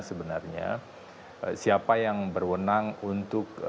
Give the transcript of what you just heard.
sebenarnya siapa yang berwenang untuk